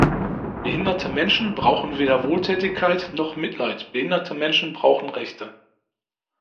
Behinderte Menschen brauchen weder Wohltätigkeit noch Mitleid, behinderte Menschen brauchen Rechte!